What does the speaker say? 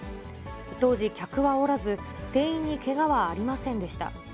当時、客はおらず、店員にけがはありませんでした。